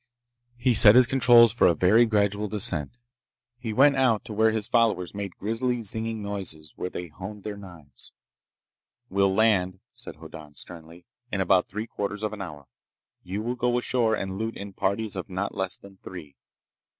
He set his controls for a very gradual descent. He went out to where his followers made grisly zinging noises where they honed their knives. "We'll land," said Hoddan sternly, "in about three quarters of an hour. You will go ashore and loot in parties of not less than three!